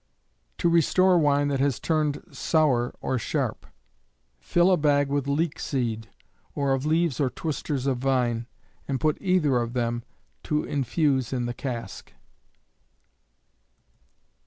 To restore Wine that has turned sour or sharp. Fill a bag with leek seed, or of leaves or twisters of vine, and put either of them to infuse in the cask.